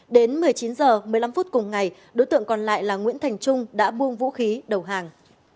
đến một mươi chín h một mươi năm phút cùng ngày đối tượng còn lại là nguyễn thành trung đã buông vũ khí đầu hàng